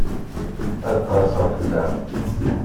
Ad qerseɣ fell-am.